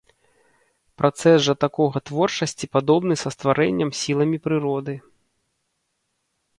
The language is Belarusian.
Працэс жа такога творчасці падобны са стварэннем сіламі прыроды.